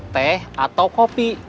teh atau kopi